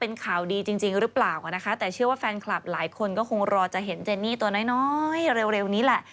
เป็นข่าวดีจริงหรือเปล่านะคะแต่เชื่อว่าแฟนคลับหลายคนก็คงรอจะเห็นเจนนี่ตัวน้อยน้อยเร็วนี้แหละ